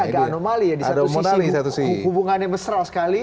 jadi agak anomali ya di satu sisi hubungannya besar sekali